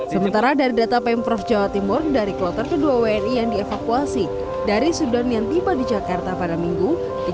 sementara dari data pemprov jawa timur dari kloter kedua wni yang dievakuasi dari sudan yang tiba di jakarta pada minggu